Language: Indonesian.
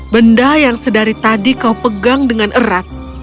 benda yang sedari tadi kau pegang dengan erat